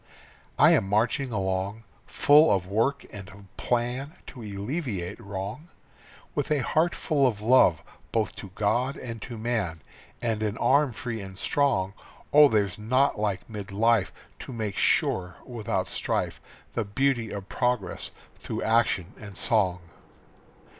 I am marching along, full of work and of plan To alleviate wrong. With a heart full of love both to God and to man, And an arm free and strong. Oh, there's naught like mid life To make sure without strife The beauty of progress through action and song.